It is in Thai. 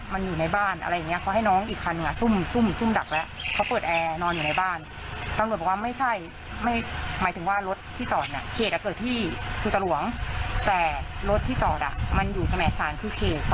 ไม่มีใครอยู่เลยโทรก็ไม่รับตั้งแต่เกิดเหตุ